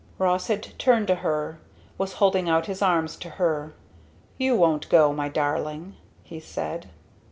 Ross had turned to her was holding out his arms to her. "You won't go, my darling!" he said.